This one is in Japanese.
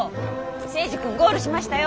征二君ゴールしましたよ。